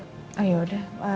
oh ya udah